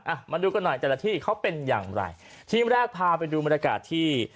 มาดูกันหน่อยแต่ละที่เขาเป็นอย่างไรทีมแรกพาไปดูบรรยากาศที่